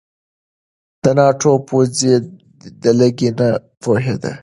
د ناټو پوځي دلګۍ نه پوهېده.